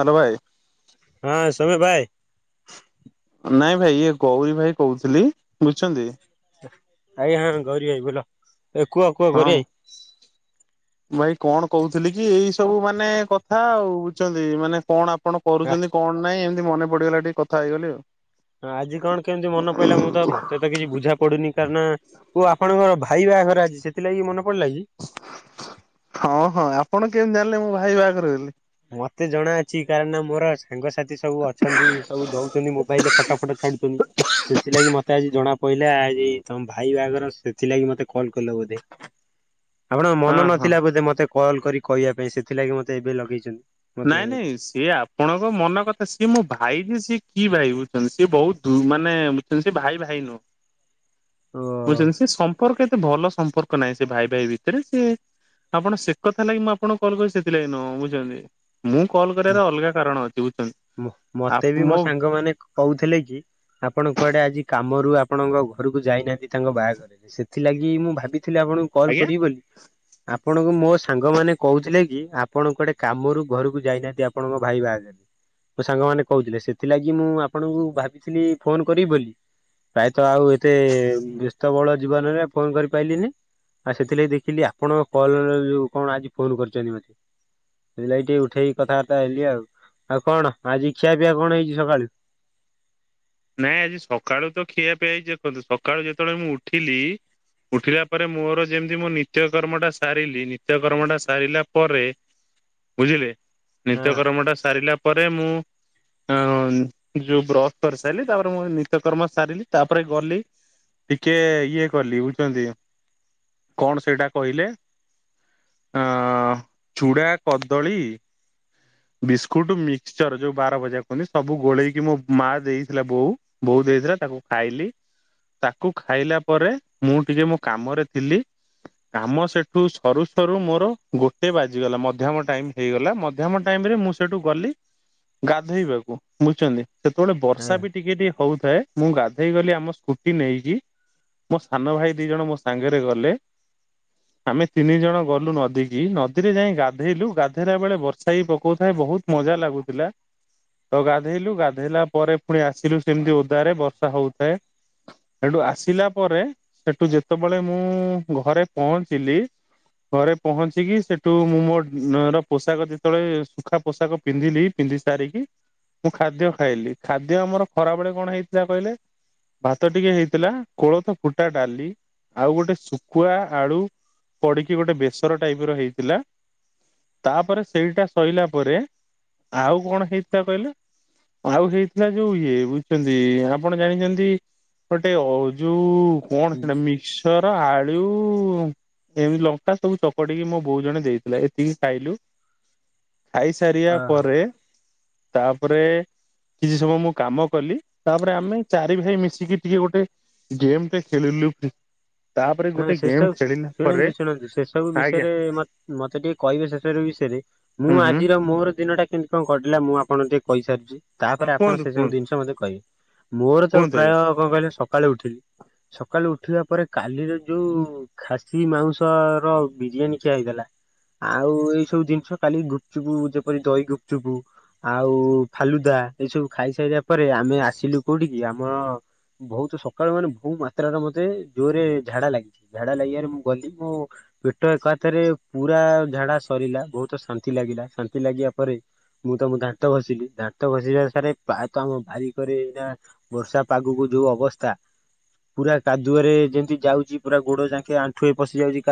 Hello ଭାଇ। ହଁ ସୋମ୍ୟ ଭାଇ। ନାଇଁ ଭାଇ ଇଏ ଗୌରୀ ଭାଇ କହୁଥିଲି ବୁଝୁଚନ୍ତି। ଆାଇ ହଁ ଗଉରୀ ଭାଇ ବୋଲ ଏ କୁହ କୁହ ଗରି ଭାଇ। ସ୍। ଭାଇ କଣ କହୁଥିଲି କି ଏଇ ସବୁ ମାନେ କଥା ଆଉ ବୁଝଚନ୍ତି ମାନେ କଣ ଆପ କଣ କରୁଚନ୍ତି କଣ ନାହିଁ ଏମିତି ମନେ ପଡିଗଲା ଟିକେ କଥା ହେଇଗଲି ଆଉ। ହଁ ଆଜି କଣ କେମିତି ମନ ପଇଲା ମୁଁ ତ ମତେ ତ କିଛି ବୁଝା ପଡୁନି କାରଣ ଓ ଆପଣଙ୍କର ଭାଇ ବାହାଘର ଅଜି ସେଥିଲାଗି ମନେ ପଡିଲା କି? ହଁ ହଁ ଆପଣ କେମିତି ଜାଣିଲେ ମୋ ଭାଇ ବାହାଘରେ ବୋଲି? ମତେ ଜଣା ଅଛି କାର ନା ମୋର ସାଙ୍ଗସାଥି ସବୁ ଅଛନ୍ତି ସବୁ ଦଉଚନ୍ତି ମୋବାଇଲରେ ଫଟୋ ଫଟୋ ଛାଡୁଚନ୍ତି। ସେଥିଲାଗି ମୋତେ ମତେ ଆଜି ଜଣା ପଡିଲା ଆଜି ତମ ଭାଇ ବାହାଘର ସେଥିଲାଗି ମତେ କଲ୍ କଲ ବୋଧେ? ଆପଣଙ୍କ ହଁ ମନ ହଁ। ନଥିଲା ବୋଧେ ମତେ କଲ୍ କରି କହିବା ପାଇଁ ସେଥିଲାଗି ମତେ ଏବେ ଲଗେଇଚନ୍ତି? ନାଇଁ ନାଇଁ ସିଏ ଆପଣଙ୍କ ମନ କଥା ସିଏ ମୋ ଭାଇ ଯେ ସିଏ କି ଭାଇ ବୁଝୁଚନ୍ତି ସିଏ ବହୁତ ଦୁ ମାନେ ସେ ଭାଇ ଭାଇ ନୁହଁ। ବୁଝୁଚନ୍ତି ଓ ସେ ସମ୍ପର୍କ ଏତେ ଭଲ ସମ୍ପର୍କ ନାହିଁ ସେ ଭାଇ ଭାଇ ଭିତରେ ସେ ଆପଣ ସେ କଥା ଲାଗି ମୁଁ ଆପଣଙ୍କୁ କଲ୍ କରିଚି ସେଥିଲାଗି ନୁହଁ ବୁଝୁଚନ୍ତି। ମୁଁ କଲ୍ କରିବାର ଅଲଗା କାରଣ ଅଛି ବୁଝୁଚନ୍ତି। ମତେ ବି ମୋ ସାଙ୍ଗମାନେ କହୁଥିଲେ କି ଆପଣ କୁଆଡେ ଆଜି କାମରୁ ଆପଣଙ୍କ ଘରକୁ ଯାଇନାହାନ୍ତି ତାଙ୍କ ବାହାଘରରେ ସେଥି ଥିଲାଗି ମୁଁ ଭାବିଥିଲି ଆପଣଙ୍କୁ କଲ୍ ଆଜ୍ଞା କରିବି ବୋଲି। ଆପଣଙ୍କୁ ମୋ ସାଙ୍ଗମାନେ କହୁଥିଲେ କି ଆପଣ କୁଆଡ଼େ କାମରୁ ଘରକୁ ଯାଇ ନାହାଁନ୍ତି ଆପଣଙ୍କ ଭାଇ ବାହାଘର ରେ। ମୋ ସାଙ୍ଗମାନୋନ କହୁଥିଲେ ସେଥିଲାଗି ମୁଁ ଆପଣଙ୍କୁ ଭାବିଥିଲି ଫୋନ କରିବି ବୋଲି। ପ୍ରାୟତଃ ଆଉ ଏତେ ବ୍ୟସ୍ତ ବହୁଳ ଜୀବନରେ ଫୋନ କରିପାରଲିିନି। ଆଉ ସେଥିଲାଗି ଦେଖିଲି ଆପଣଙ୍କ କଲ ଯୋଉ କଣ ଆଜି ଫୋନ କରିଛନ୍ତି ମତେ। ସେଇ ଲାଗି ଟିକେ ଉଠେଇକି କଥାବାର୍ତ୍ତା ହେଲି ଆଉ। ଆଉ କଣ ଆଜି ଖିଆ ପିଆ କଣ ହେଇଛି ସକାଳୁ? ନାଇଁ ଆଜି ସକାଳୁ ତ ଖିଆ ପିଇଆ ହେଇଛି ଦେଖନ୍ତୁ, ସକାଳୁ ଯେତେବେଳେ ମୁଁ ଉଠିଲି ଉଠିଲା ପରେ ମୋର ଯେମିତି ମୁଁ ନିତ୍ୟ କର୍ମଟା ସାରିଲି, ନିତ୍ୟ କର୍ମଟା ସାରିଲା ପରେ ବୁଝିଲେ? ହଁ। ନିତ୍ୟ କର୍ମ ଟା ସାରିଲା ପରେ ମୁଁ ଯୋଉ ବ୍ରସ୍ କରି ଲି, ତାପରେ ମୁଁ ନିତ୍ୟକର୍ମ ସାରିଲି ତାପରେ ଗଲି ଟିକେ ଇଏ କଲି ବୁଝଛନ୍ତି କଣ ସେଇଟା କହିଲେ ଅ ଚୁଡ଼ା, କଦଳୀ ବିସ୍କୁଟ ମିକ୍ସଚର ଯୋଉ ବାର ମଜା କୁହନ୍ତି ସବୁ ଗୋଳେଇକି ମୋ ମା ଦେଇ ଥିଲା ବୋଉ, ବୋଉ ଦେଇଥିଲା ତାକୁ ଖାଇଲି। ତାକୁ ଖାଇଲା ପରେ ମୁଁ ଟିକେ ମୋ କାମରେ ଥିଲି। କାମ ସେଠୁ ସରୁ ସରୁ ମୋର ଗୋଟେ ବାଜିଗଲା, ମଧ୍ୟମ ଟାଇମ ହେଇଗଲା। ମଧ୍ୟମ ଟାଇମ ରେ ମୁଁ ସେଠୁ ଗଲି ଗାଧୋଇବାକୁ ବୁଝୁଛନ୍ତି, ସେତେବେଳେ ହଁ ବର୍ଷା ବି ଟିକେ ଟିକେ ହଉଥାଏ ମୁଁ ଗାଧେଇ ଗଲି ଆମ ସ୍କୁଟି ନେଇକି ମୋ ସାନ ଭାଇ ଦି ଜଣ ମୋ ସାଙ୍ଗରେ ଗଲେ। ଆମେ ତିନି ଜଣ ଗଲୁ ନଦୀ କିି, ନଦୀରେ ଯାଇ ଗାଧେଇଲୁ। ଗାଧେଇଲା ବେଳେ ବର୍ଷା ହେ ପକଉଥାଏ ବହୁତ ମଜା ଲାଗୁଥିଲା। ତ ଗାଧେଇଲୁ ଗାଧେଇଲା ପରେ ପୁଣି ଆସିଲୁ ସେମିତି ଓଦାରେ ବର୍ଷା ହଉଥାଏ। ସେଠୁ ଆସିଲା ପରେ ସେଠୁ ଯେତେବେଳେ ମୁଁ ଘରେ ପହଞ୍ଚିଲି ଘରେ ପହଞ୍ଚିକି ସେଠୁ ମୁଁ ମୋ ର ପୋଷାକ ଯେତେବେଳେ ଶୁଖା ପୋଷାକ ପିନ୍ଧିଲି ପିନ୍ଧି ସାରିକି ମୁଁ ଖାଦ୍ୟ ଖାଇଲି। ଖାଦ୍ୟ ଆମର ଖରାବେଳେ କଣ ହେଇଥିଲା କହିଲେ? ଭାତ ଟିକେ ହେଇଥିଲା, କୋଳଥ ଫୁଟା ଡାଲି ଆଉ ଗୋଟେ ଶୁଖୁଆ ଆଳୁ ପଡିକି ଗୋଟେ ବେସର ଟାଇପ ର ହେଇଥିଲା। ତାପରେ ସେଇଟା ସଇଲା ପରେ ଆଉ କଣ ହେଇଥିଲା କହିଲେ? ଆଉ ହେଇ ନା ଯୋଉ ଇଏ ବୁଝଛନ୍ତି ଆପଣ ଜାଣିଛନ୍ତି ଗୋଟେ ଅ ଯୋଉ କଣ ସେଟା ମିକ୍ସର, ଆଳୁ ଏମିତି ଲଙ୍କା ସବୁ ଚକଡିକି ମୋ ବୋଉ ଜଣେ ଦେଇଥିଲା ଏତିକି ଖାଇଲୁ। ଖାଇ ସାରିବା ପରେ ତାପରେ କିଛି ସମୟ ମୁଁ କାମ କଲି। ତାପରେ ଆମେ ଚାରି ଭାଇ ମିଶିକି ଟିକେ ଗୋଟେ ଗେମ ଟେ ଖେଳିଲୁ। ତାପରେ ହଁ ଗୋଟେ ସେସବୁ ଗେମ୍ ଖେଳି ଶୁଣନ୍ତୁ ଶୁଣନ୍ତୁ ସେସବୁ ବିଷୟରେ ମତେ ଟିକେ କହିବେ ସେସବୁ ବିଷୟରେ ମୁଁ ହୁଁ ହୁଁ ଆଜିର ମୋର ଦିନ ଟା କେମିତି କଣ କରିିଲା ମୁଁ ଆପଣଙ୍କୁ ଟିକେ କହିସାରିଛି। ହଁ ତାପରେ ଆପଣ କୁହନ୍ତୁ ସେ ସବୁ କୁହନ୍ତୁ ଜିନିଷ ମତେ କହିବେ। ମୋର ତ କୁହନ୍ତୁ ପ୍ରାୟ ଆଜ୍ଞା କଣ କହିଲେ ସକାଳେ ଉଠିଲି। ସକାଳୁ ଉଠିବା ପରେ କାଲିର ଯୋଉ ଖାସି ମାଉଁସ ର ବିରିୟାନୀ ଖିଆ ହେଇଥିଲା ଆଉ ଏଇ ସବୁ ଜିନିଷ କାଲି ଗୁପଚୁପୁ ଯେପରି ଦହି ଗୁପଚୁପୁ ଆଉ ଫାଲୁଦା ଏଇସବୁ ଖାଇସାରିଲା ପରେ ଆମେ ଆସିଲୁ କୋଉଠିକି ଆମ ବହୁତ ସକାଳୁ ମାନେ ବହୁ ମାତ୍ର ର ମତେ ଜୋର ରେ ଝାଡା ଲାଗେ ଝାଡା ଲାଗିବାରେ ମୁଁ ଗଲି ମୁଁ ପେଟ ଏକାଥରେ ପୁରା ଝାଡ଼ା ସରିଲା ବହୁତ ଶାନ୍ତି ଲାଗିଲା ଶାନ୍ତି ଲାଗିବା ପରେ ମୁଁ ତମ ଦାନ୍ତ ଘଷିଲି ଦାନ୍ତ ଘଷିଲା ସାରା ତ ଆମ ବାରିକରେ ଏଇଟା ବର୍ଷା ପାଗକୁ ଯୋଉ ଅବସ୍ଥା ପୁରା କାଦୁଅରେ ଯେମିତି ଯାଉଛି ପୁରା ଗୋଡ ଚାାଙ୍କେ ଆଣ୍ଠୁଏଇ ପଶି ଯାଉଛି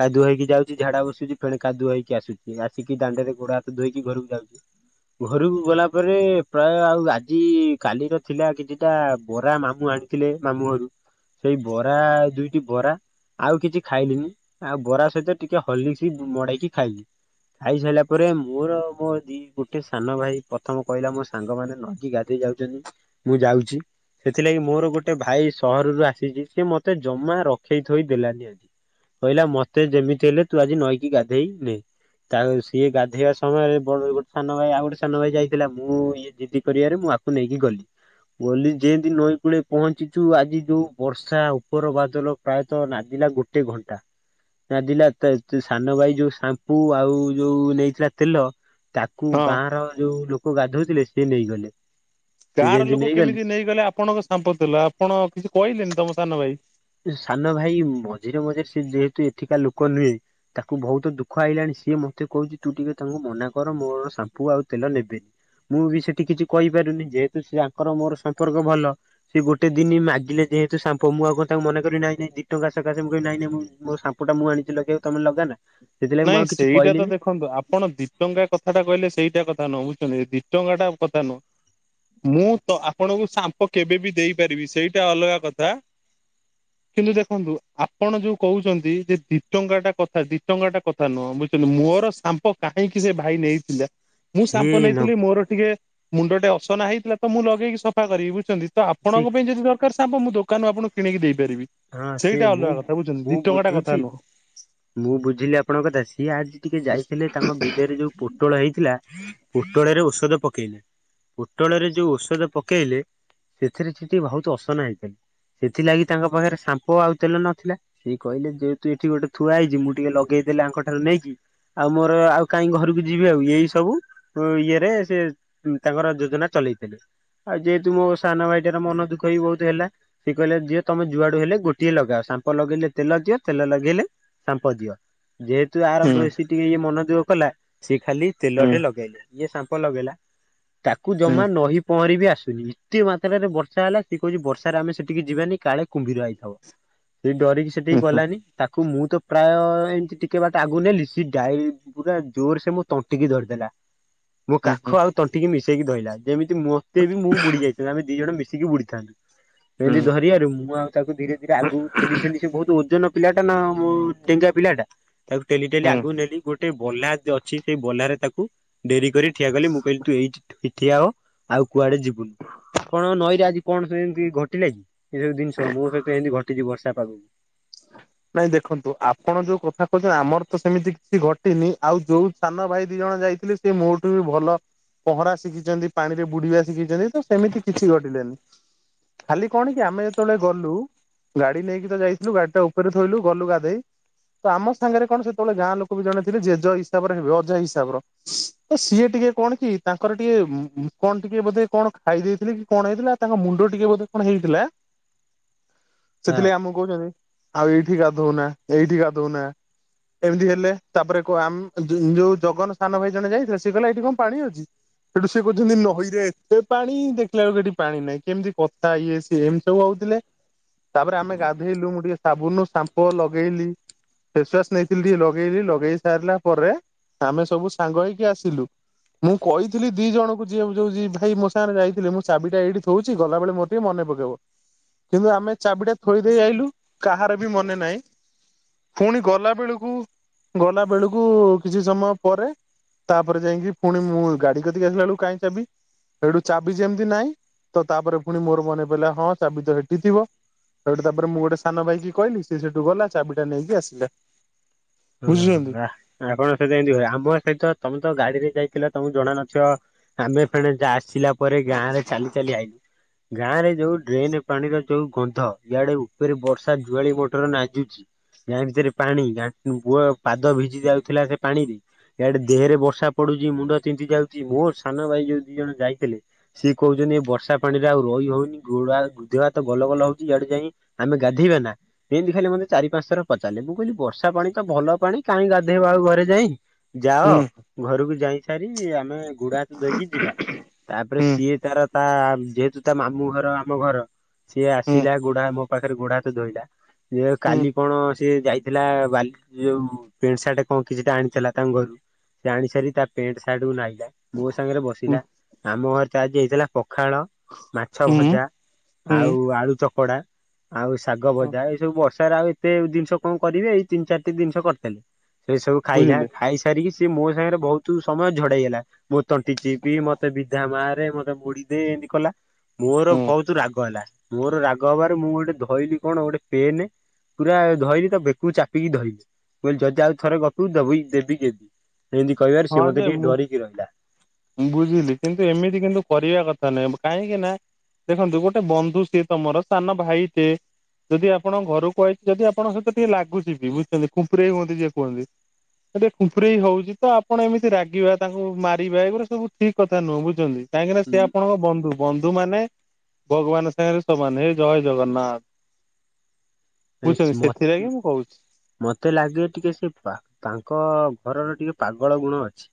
କାଦୁଅ ହେଇକି ଯାଉଛି ଝାଡା ବସୁଛି ଫେଣି କାଦୁଅ ହେକି ଆସୁଛି ଆସିକି ଦାଣ୍ଡରେ ଗୋଡ ହାତ ଧୋଇକି ଘରକୁ ଯାଉଛି ଘରକୁ ଗଲା ପରେ ପ୍ରାୟ ଆଉ ଆଜି କାଲିର ଥିଲା କିଛିଟା ବରା ମାମୁଁ ଆଣି ଥିଲେ ମାମୁଁ ଘରୁ ସେଇ ବରା ଦୁଇ ବରା ଆଉ କିଛି ଖାଇଲିନି ଆଉ ବରା ସହିତ ଟିକେ ହଲିକିସି ମଡେଇକି ଖାଇଲି ଖାଇ ସାରିଲା ପରେ ମୋର ମୋ ଦି ଗୋଟେ ସାନ ଭାଇ ପ୍ରଥମ କହିଲା ମୋ ସାଙ୍ଗମାନେ ନଈ ଗା ଦେଇ ଯାଉଛନ୍ତି ମୁଁ ଯାଉଛି ସେଥିଲାଗି ମୋର ଗୋଟେ ଭାଇ ସହରରୁ ଆସିଛି ସିଏ ମତେ ଜମା। ରଖେଇ ଥୋଇ ଦେଲାନି ଆଜି କହିଲା ମତେ ଯେମିତି ହେଲେ ତୁ ଆଜି ନଈକି ଗାଧେଇ ନେ ତା ସିଏ ଗାଧୋଇବା ସମୟରେ ଗୋଟେ ସାନ ଭାଇ ଆଉ ଗୋଟେ ସାନ ଭାଇ ଯାଇଥିଲା ମୁଁ ଜିଦି କରିବାରେ ମୁଁ ଆକୁ ନେଇକି ଗଲି ବୋଲି ଯେମିତି ନଈ କୂଳେ ପହଞ୍ଚିଚୁ ଆଜି ଯୋଉ ବର୍ଷା ଉପର ବାଦଲ ପ୍ରାୟତଃ ନାଦିଲା ଗୋଟେ ଘଣ୍ଟା ନାଦିଲା ସାନ ଭାଇ ଯୋଉ ସାମ୍ପୁ ଆଉ ଯୋଉ ନେଇଥିଲା ତେଲ ତାକୁ ହଁ ଗାଁ ର ଯୋଉ ଲୋକ ଗାଧଉଥିଲେ ସିଏ ନେଇଗଲେ ସେ ଗାଁ ର ଯେମିତି ଲୋକ କେମିତି ନେଇଗଲେ ଆପଣଙ୍କ ସାମ୍ପ ତେଲ ଆପଣ କିଛି କହିଲେନି ତମ ସାନ ଭାଇ ସାନ ଭାଇ ମଝିରେ ମଝିରେ ସେ ଯେହେତୁ ଏଠିକା ଲୋକ ନୁହେଁ ତାକୁ ବହୁତ ଦୁଃଖ ଆଇଲାଣି ସିଏ ମତେ କହୁଛି ତୁ ଟିକେ ତାଙ୍କୁ ମନା କର ମୋର ସାମ୍ପୁ ଆଉ ତେଲ ନେବେନି ମୁଁ ବି ସେଠି କିଛି କହିପାରୁନି ଯେହେତୁ ତାଙ୍କର ମୋର ସମ୍ପର୍କ ଭଲ ସିଏ ଗୋଟେ ଦିନ ମାଗିଲେ ଯେହେତୁ ସାମ୍ପ ମୁଁ ଆ ତାଙ୍କୁ ମନାକରିବି ନାଇଁ ନାଇଁ ଦି ଟଙ୍କା ସକାସ ନାଇ ନାଇଁ ସାମ୍ପ ଟା ମୁଁ ଆଣିଛି ଲଗେଇକୁ ତମେ ଲଗା ନା ନାଇଁ ସେଇଟା ତ ଦେଖନ୍ତୁ ଆପଣ ଦି ଟଙ୍କା କଥାଟା କିଲେ ସେଇଟା କଥା ନୁହଁ ବୁଝୁଛନ୍ତି ଦି ଟଙ୍କା ଟା କଥା ନୁହଁ ମୁଁ ତ ଆପଣଙ୍କୁ ସାମ୍ପ କେବେ ବି ଦେଇପାରିବି ସେଇଟା ଅଲଗା କଥା। କିନ୍ତୁ ଦେଖନ୍ତୁ ଆପଣ ଯୋଉ କହୁଛନ୍ତି ଯେ ଦି ଟଙ୍କା ଟା କଥା ଦିଟ ଟଙ୍କା ଟା କଥା ନୁହଁ ବୁଝଛନ୍ତି ମୋର ସାମ୍ପ କାହିଁକି ସେ ଭାଇ ନେଇଥିଲା ମୁଁ ସିଏ ସାମ୍ପୁ ନ ନେଇଥିଲି ମୋର ଟିକେ ମୁଣ୍ଡ ଟେ ଅସନା ହେଇଥିଲା ତ ମୁଁ ଲଗେଇକି ସଫା କରିବି ବୁଝୁଛନ୍ତି ତ ଆପଣଙ୍କ ପାଇଁ ଠିକ ଯଦି ଦରକାର ସାମ୍ପ ମୁଁ ଦୋକାନରୁ ଆପଣଙ୍କୁ କିଣିକି ଦେଇପାରିବି। ହଁ ସେ ସେଇଟା ମୁଁ ଅଲଗା କଥା ବୁଝଛନ୍ତି ମୁଁ ଦି ଟଙ୍କା ଟା ବୁଝୁଛି କଥା ନୁହଁ ମୁଁ ବୁଝିଲି ଆପଣଙ୍କ କଥା ସିଏ ଆଜି ଟିକେ ଯାଇଥିଲେ ତାଙ୍କ ବିଲରେ ଯୋଉ ପୋଟଳ ହେଇଥିଲା ପୋଟଳରେ ଔଷଧ ପକେଇଲେ ପୋଟଳରେ ଯୋଉ ଔଷଧ ପକେଇଲେ ସେଥିରେ ସେ ଟିକେ ବହୁତ ଅସନା ହେଇଥିଲା। ସେଥିଲାଗି ତାଙ୍କ ପାଖରେ ସାମ୍ପ ଆଉ ତେଲ ନଥିଲା ସେ କହିଲେ ଯେହେତୁ ଏଠି ଗୋଟେ ଥୁଆ ହେଇଛି ମୁଁ ଟିକେ ଲଗେଇଦେଲି ଆଙ୍କ ଠାରୁ ନେଇକି ଆଉ ମୋର ଆଉ କାହିଁ ଘରକୁ ଯିବି ଆଉ ଏଇ ସବୁ ଇଏରେ ସେ ତାଙ୍କର ଯୋଜନା ଚଲେଇଥିଲେ। ଆଉ ଯେହେତୁ ମୋ ସାନ ଭାଇଟାର ମନ ଦୁଃଖ ବି ବହୁତ ହେଲା ସି କହିଲେ ଯି ତମେ ଜୁଆଡ଼ୁ ହେଲେ ଗୋଟିଏ ଲଗାଅ ସାମ୍ପ ଲଗେଇଲେ ତେଲ ଦିଅ ତେଲ ଲଗେଇଲେ। ସାମ୍ପ ଦିଅ ଯେହେତୁ ଆର ହୁଁ ବେଶୀ ଟିକେ ଇଏ ମନଦୁଃଖ କଲା ସିଏ ଖାଲି ହୁଁ ତେଲଟେ ଲଗେଇଲେ ଇଏ ସାମ୍ପ ଲଗେଇଲା ତାକୁ ହୁଁ ଜମା ନଈ ପହଁରି ବି ଆସୁନି ଏତେ ମାତ୍ରାରେ ବର୍ଷା ହେଲା ସିଏ କହୁଛି ବର୍ଷାରେ ଆମେ ସେଠିକି ଯିବାନି କାଳେ କୁମ୍ଭୀର ଆଇଥିବ ସେଇ ଡରିକି। ସେଠିକି ହୁଁ ଗଲାନି, ତାକୁ ମୁଁ ତ ପ୍ରାୟ ଏମିତି ଟିକେ ବାଟ ଆଗକୁ ନେଲି ସ ଡାଇ ପୁରା ଜୋର ସେ ମୋ ତଣ୍ଟିକି ଧରିଦେଲା। ମୋ ହୁଁ ହୁଁ କାଖ ଆଉ ତଣ୍ଟିିକି ମିଶେଇକି ଧଇଲା, ଯେମିତି ମତେ ବି ମୁଁ ବୁଡି ଯାଇଛି। ସେ ଆମେ ଦି ଜଣ ମିଶିକି ବୁଡିଥାନ୍ତୁ, ହୁଁ ଏମିତି ହୁଁ। ଧରିିବାରୁ ମୁଁ ଆଉ ତାକୁ ଧୀରେ ଧୀରେ ଆଗକୁ ଠେଲି ଠେଲି ସେ ବହୁତ ଓଜନ ପିଲାଟା ନା ଡେଙ୍ଗା ପିଲାଟା। ତାକୁ ଟେଲି ଟେଲି ହୁଁ ଆଗକୁ ନେଲି ଗୋଟେ ବହ୍ଲା ଅଛି ସେଇ ବହ୍ମା ରେ ତାକୁ ଡେରି କରି ଠିଆ କଲି ମୁଁ କହିଲି ତୁ ଏଇ ଠିଆ ହ ଆଉ କୁଆଡେ ଯିବୁନୁ। କଣ ନଈରେ ଆଜି କଣ ଏମିତି ଘଟିଲା କି ଏ ସବୁ ଜିନିଷ ମୋ ସହିତ ଏମିତି ଘଟିଛି ବର୍ଷା ପାଗକୁ। ହ [inaudible] ଭାଇ ଦେଖନ୍ତୁ ଆପଣ ଯୋଉ କଥା କହୁଛନ୍ତି ଆମର ତ ସେମିତି କିଛି ଘଟିନି ଆଉ ଯୋଉ ସାନ ଭାଇ ଦି ଜଣ ଯାଇଥିଲେ ସେ ମୋଠୁ ବି ଭଲ ପହଁରା ଶିଖିଚନ୍ତି ପାଣିରେ ବୁଡିବା ଶିଖିଛନ୍ତି ତ ସେମିତି କିଛି ଘଟିଲାନି। ଖାଲି କଣ କି ଆମେ ଯେତେବେଳେ ଗଲୁ ଗାଡି ନେଇକି ତ ଯାଇ କିନ୍ତୁ ଗାଡିଟା ଉପରେ ଥୋଇଲୁ ଗଲୁ ଗାଧେଇ। ତ ଆମ ସାଙ୍ଗରେ କଣ ସେତେବେଳେ ଗାଁ ଲୋକ ବି ଜଣେ ଥିଲେ ଜେଜ ହିସାବରେ ହେବେ ଅଜା ହିସାବର। ତ ସିଏ ଟିକେ କଣ କି ତାଙ୍କର ଟିକେ କଣ ଟିକେ ବୋଧେ କଣ ଖାଇ ଦେଇଥିଲେ କି କଣ ହେଇଥିଲା। ତାଙ୍କ ମୁଣ୍ଡ ଟିକେ ବୋଧେ କଣ ହେଇଥିଲା, ସେଥିଲାଗି ହଁ ଆମକୁ କହୁଚନ୍ତି ଆଉ ଏଇଠି ଗାଧଉନା ଏଇଠି ଗାଧଉନା। ଏମିତି ହେଲେ, ତାପରେ କୋ ଆମ୍ ଯ ଯୋ ଯୋଉ ଜଗନ ସାନ ଭାଇ ଜଣେ ଯାଇଥିଲେ ସେ କହିଲା ଏଇଠି କଣ ପାଣି ଅଛି। ସେଠୁ ସେି କହୁଚନ୍ତି ନଈରେ ଏତେ ପାଣି ଦେଖିଲା ବେଳୁ ଏଠି ପାଣି ନାହିଁ, କେମିତି କଥା ଇଏ ସିଏ ଏମତି ସବୁ ହଉଥିଲେ। ତାପରେ ଆମେ ଗାଧେଇଲୁ ମୁଁ ଟିକେ ସାବୁନ ସାମ୍ପ ଲଗେଇଲି। ଫେସ୍ ୱାସ୍ ନେଇଥିଲି ଟିକେ ଲଗେଇଲି ଲଗେଇ ସାରିଲା ପରେ ଆମେ ସବୁ ସାଙ୍ଗ ହେଇକି ଆସିଲୁ। ମୁଁ କହିଥିଲି ଦି ଜଣଙ୍କୁ ଯିଏ ଯୋଉ ଦି ଭାଇ ମୋ ସାଙ୍ଗରେ ଯାଇଥିଲେ ମୁଁ ଚାବିଟା ଏଇଠି ଥୋଉଛି ଗଲାବେଳେ ମୋତ ଟିକେ ମନେ ପକେଇବ, କିନ୍ତୁ ଆମେ ଚାବିଟା ଥୋଇ ଦେଇ ଆଇଲୁ କାହାର ବି ମନେ ନାହିଁ। ପୁଣି ଗଲାବେଳକୁ ଗଲାବେଳକୁ କିଛି ସମୟ ପରେ ତାପରେ ଯାଇକି ପୁଣି ମୁଁ ଗାଡି କତିକି ଆସିଲାବେଳକୁ କାଇଁ ଚାବି, ସେଠୁ ଚାବି ଯେମିତି ନାହିଁ ତ ତାପରେ ପୁଣି ମୋର ମନେ ପଇଲା ହଁ ଚାବି ତ ସେଠି ଥିବ। ସେଇଠୁ ତାପରେ ମୁଁ ଗୋଟେ ସାନ ଭାଇକି କହିଲି ସେ ସେଇଠୁ ଗଲା ଚାବିଟା ନେଇକି ଆସିଲା। ଉଁ ବୁଝୁଛନ୍ତି ଆ ଆପଣଙ୍କ ସହିତ ଏମିତି ହୁଏ ଆମ ସହିତ ତମେ ତ ଗାଡିରେ ଯାଇଥିଲ ତମକୁ ଜଣା ନଥିବ। [unintelligible] ଆମେ ଫେଣେ ଆସିଲା ପରେ ଗାଁ ରେ ଚାଲି ଚାଲି ଆଇଲୁ। ଗାଁ ରେ ଯୋଉ ଡ୍ରେନ୍ ପାଣିର ଯୋଉ ଗନ୍ଧ, ଇଆଡେ ଉପରେ ବର୍ଷା ଜୁଆଳି ମୋଟର ନା ଦୁଚି। ଗାଁ ଭିତରେ ପାଣି, ଗା ପାଦ ଭିଜି ଯାଉଥିଲା ସେ ପାଣିରେ। ଇଆଡେ ଦେହରେ ବର୍ଷା ପଡୁଛି ମୁଣ୍ଡ ତିନ୍ତିି ଯାଉଛି ମୋର ସାନ ଭାଇ ଯୋଉ ଦି ଜଣ ଯାଇଥିଲେ ସିଏ କହୁଚନ୍ତି ଏ ବର୍ଷା ପାଣିରେ ଆଉ ରହି ହଉନି ଗୋଡ ଦେହହାତ ଗଲଗଲ ହଉଚି ଇଆଡେ ଯାଇଁ ଆମେ ଗାଧୋଇବା ନା, ଏମିତି ଖାଲି ମତେ ଚାରି ପାଞ୍ଚ ଥର ପଚାରିଲେ ମୁଁ କହିଲି ବର୍ଷା ପାଣି ତ ଭଲ ପାଣି କାହିଁ ଗାଧେଇବ ଆଉ ଘରେ ଯାଇ, ହୁଁ ଯାଅ ଘରକୁ ଯାଇ ସାରି ଆମେ ଗୁଡହାତୁ ଧୋଇକି ଯିବା, ତାପରେ ହୁଁ ସିଏ ତାର ତା ଯେହେତୁ ତା ମାମୁଁ ଘର ଆମ ଘର ସିଏ ହୁଁ ଆସିଲା ଗୋଡ ହା ମୋ ପାଖରେ ଗୋଡହାତ ଧୋଇଲା। ଇଏ ହୁଁ କାଲି କଣ ସିଏ ଯାଇ ଥିଲା ବାଲି ଯୋଉ ପେଣ୍ଟ୍ ସାର୍ଟ୍ କଣ କିଛିଟା ଆଣିଥିଲା ତାଙ୍କ ଘରୁ। ସେ ଆଣି ସାରି ତା ପ୍ୟାଣ୍ଟ୍ ସାର୍ଟ୍ କୁ ନାଇଲା ମୋ ସାଙ୍ଗରେ ବସିଲା। ଆମ ଘରେ ତ ଆଜି ହେଇଥିଲା ପଖାଳ, ମାଛ ହୁଁ ଭଜା ଆଉ ହୁଁ ଆଳୁ ଚକଡା। ଆଉ ଶାଗ ଭଜା ଏଇ ସବୁ ବର୍ଷାରେ ଆଉ ଏତେ ଜିନିଷ କଣ କରିବେ, ଏଇ ତିନି ଚାରି ଏତେ ଜିନିଷ କରିଥିଲେ, ସେ ସବୁ ଖାଇଲା ବୁଝିଲେ ଖାଇସାରିକି ସେ ମୋ ସାଙ୍ଗରେ ବହୁତୁ ସମୟ ଝଡେଇହେଲା। ମୋ ତଣ୍ଟି ଚିପି ମତେ ବିଧା ମା ରେ ମତେ ମୁଡିଦେ ଏମିତି କଲା। ମୋର ବହୁତ ରାଗ ହେଲା ମୋର ରାଗ ହବାରୁ ମୁଁ ଗୋଟେ ଧଇଲିି କଣ ଗୋଟେ ପେନ୍ ପୁରା ଧଇଲି ତା ବେକୁ ଚାପିକି ଧଇଲିି। ମୁଁ କହିଲି ଯଦି ଆଉ ଥରେ ଗପିବୁ ଦବେଇକି ଦେବି ଗେବି ଏମିତି କହିବାରୁ ହଁ ସେ ଯେ ମୋତେ ଟିକେ ମୁଁ ଡରିକି ରହିଲା। ବୁଝିଲି କିନ୍ତୁ ଏମିତି କିନ୍ତୁ କରିବା କଥା ନୁହେଁ କାହିଁକି ନା ଦେଖନ୍ତୁ ଗୋଟେ ବନ୍ଧୁ ସିଏ ତମର ସାନ ଭାଇଟେ। ଯଦି ଆପଣ ଘରକୁୁ ଆଇଚି ଯଦି ଆପଣଙ୍କ ସହିତ ଟିକେ ଲାଗୁଚି ବି ବୁଝୁଚନ୍ତି ଖୁମ୍ପୁରେଇ ହୁଅନ୍ତି ଯିଏ କୁହନ୍ତି। ସେ ଟିକେ ଖୁମ୍ଫୁରେଇ ହଉଚି। ତ ଆପଣ ଏମିତି ରାଗିବା ତାଙ୍କୁ ମାରିବା ଏଗୁରା ସବୁ ଠିକ କଥା ନୁହଁ ବୁଝୁଚନ୍ତି କାହିଁକିନା ସେ ଆପଣଙ୍କ ବନ୍ଧୁ। ବନ୍ଧୁମାନେ ଭଗବାନ ସାଙ୍ଗରେ ସମାନ ହେ ଜୟ ଜଗନ୍ନାଥ। ବୁଝଚନ୍ତି ମୋ ସେଥିଲାଗି ମୁଁ କହୁଚି। ମତେ ଲାଗେ ଟିକେ ସେ ପା ତାଙ୍କ ଘରର ଟିକେ ପାଗଳ ଗୁଣ ଅଛି।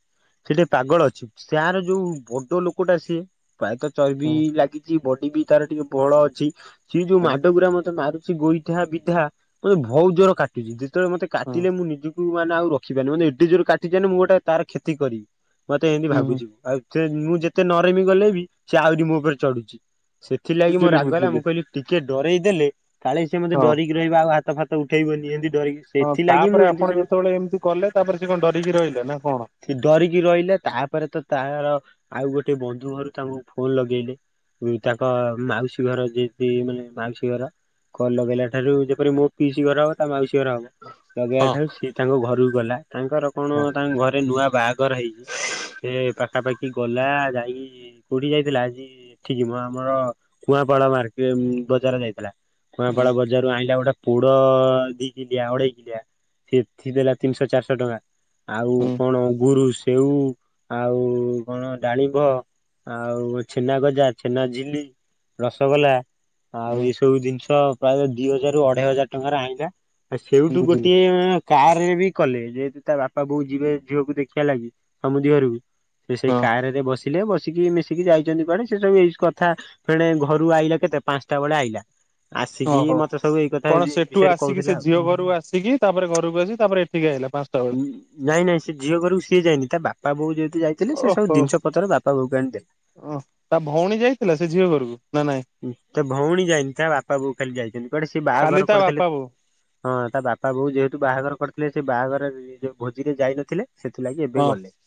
ସେ ଟିକେ ପାଗଳ ଅଛି ସାର ଯୋଉ ବଡ ଲୋକଟା ସିଏ ପ୍ରାୟତଃ ଚର୍ବି ହୁଁ ଲାଗିଚି ବଡି ବି ତାର ଟିକେ ବଳ ଅଛି ସେ ଯୋଉ ହୁଁ ମାଡ ଗୁରା ମତେ ମାରୁ ସେ ଗୋଇଠା ବିଧା ମତେ ଭଉ ଜୋର କାଟୁଚି ଯେତେବେଳେ ମତେ ହୁଁ କାଟିଲେ ମୁଁ ନିଜକୁ ମାନେ ଆଉ ର ଖି ପାରନି ମାନେ ଏଡ଼େ ଜୋରେ କାଟିଚି ମାନେ ମୁଁ ଗୋଟେ ତା ର କ୍ଷତି କରିବି। ମତେ ଏମିତି ହୁଁ ହୁଁ। ଭାବୁଚି ଆଉ ସେ ମୁଁ ଯେତେ ନରେମି ଗଲେ ବି ସେ ଆହୁରି ମୋ ଉପରେ ଚଢୁଚି। ସେଥିଲାଗି ମୋ ବୁଝିଲି ରାଗ ହେଲା ବୁଝିଲି ମୁଁ କହିଲି ଟିକେ ଡରେଇ ଦେଲେ କାଳେ ମୋତେ ହଁ ଡରିକି ରହିବ ଆଉ ହାତ ଫାତ ଉଠେଇବନି ଏମିତି ଡରିକି ହଁ ସେଥିଲାଗି ମୁଁ ତାପରେ ଏମିତି ଆପଣ ସବୁ ଯେତେବେଳେ ଏମିତି କଲେ ତାପରେ ସେ କଣ ଡରିକି ରହିଲା ନା କଣ? ସେ ଡରିକି ରହିଲା ତାପରେ ତ ତାର ଆଉ ଗୋଟେ ବନ୍ଧୁ ଘରୁ ତାଙ୍କୁ ଫୋନ ଲଗେଇଲେ। ଉଁ ତାଙ୍କ ମାଉସୀ ଘର ଯେତି ମାନେ ମାଉସୀ ଘର କଲ୍ ଲଗେଇଲା ଠାରୁ ଯେପରି ମୋ ପିଇସି ଘର ତା ମାଉସୀ ଘର ହବ। ଲଗେଇବା ହଁ ଠାରୁ ସିଏ ତାଙ୍କ ଘରକୁ ଗଲା ତାଙ୍କର ହଁ। କଣ ତାଙ୍କ ଘରେ ନୂଆ ବାହାଘର ହେଇଚି। ସେ ପାଖାପାଖି ଗଲା ଯାଇକି କୋଉଠିକି ଯାଇଥିଲା ଆଜି? ଏଠିକି ମ ଆମର କୁଆଁପାଳ ମାର୍କେ ଉଁ ବଜାର ଯାଇଥିଲା। ହୁଁ କୂଆଁପାଳ ବଜାରରୁ ଆଇଁଲା ଗୋଟେ ପୋଡ ଦି କିଲିଆ ଅଢେଇକିଲିଆ। ଏଠି ଦେଲା ତିନିଶହ ଚାରିଶହ ଟଙ୍କା ଆଉ ହୁଁ କଣ ଅଙ୍ଗୁରୁ ସେଉ ଆଉ କଣ ଡାଳିମ୍ବ ଆଉ ଛେନାଗଜା ଛେନାଝିଲ୍ଲି ରସଗୋଲା ଆଉ ହୁଁ ଏସବୁ ଜିନିଷ ପ୍ରାୟ ଦି ହଜାର ରୁ ଅଢେଇ ହଜାର ଟଙ୍କାରେ ଆଇଁଲା ଏ ସେଇଠୁ ବୁଝିଲୁ ଗୋଟିଏ ଏଁ କାର ରେ ବି କଲେ ଯେହେତୁ ତା ବାପା ବୋଉ ଯିବେ ଝିଅକୁ ଦେଖିବା ଲାଗି ସମୁଦି ଘରକୁ ସେ ସେଇ ହଁ କାର ରେ ବସି ଥିଲେ ବସିକି ମିଶିକି ଯାଇଛନ୍ତି କୁଆଡେ ସେ ସବୁ ଏଇସ କଥା ଫେଣେ ଘରୁ ଆଇଲା କେତେ ପାଞ୍ଚଟା ବେଳେ ଆଇଲା। ଆସିକି ଓହୋ ମତେ ସବୁ ଏଇ କଥା କଣ ଏଇ ସେଠୁ ବିଷୟରେ ଆସିକି କହୁଥିଲା ସେ ଆଉ ଝିଅ ଘରୁ ଆସିକି ତାପରେ ଘରୁକୁ ଆସି ତାପରେ ଏଠିକି ଆଇଲା ପାଞ୍ଚଟା ବେଳେ ନାଇଁ ନାଇଁ ସେ ଝିଅ ଘରକୁ ସିଏ ଯାଇନି ତା ବାପା ବୋଉ ଯେହେତୁ ଯାଇ ଥିଲେ ସେ ସବୁ ଜିନିଷ ପତ୍ର ବାପା ବୋଉ କୁ ଆଣିଦେଲା। ଓହ ତା ଭଉଣୀ ଯାଇଥିଲା ସେ ଝିଅ ଘରକୁ ନା ନାଇଁ? ତା ଭଉଣୀ ଯାଇନି ତା ବାପା ବୋଉ ଖାଲି ଯାଇଚନ୍ତି କୁଆଡେ ସିଏ ଖାଲି ବାହାଘର ତା ବାପା କରିଥିଲେ। ବୋଉ ହଁ ତା ବାପା ବୋଉ ଯେହେତୁ ବାହାଘର କରିଥିଲେ ସେ ବାହାଘର ରେ ଇଏ ଭୋଜିରେ ଯାଇନଥିଲେ ସେଥିଲାଗି ଏବେ ହଁ ଗଲେ।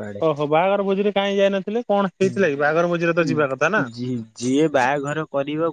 କୁଆଡେ। ଓହୋ ବାହାଘର ଭୋଜିରେ କାଇଁ ଯାଇନଥିଲେ କଣ ହେଇଥିଲା କି ବାହାଘର ଭୋଜିରେ ତ ଯିବା କଥା ନା? ଯିଏ ବାହାଘର କରିବ